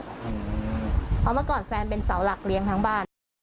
เพราะเมื่อก่อนแฟนเป็นเสาหลักเลี้ยงทั้งบ้าน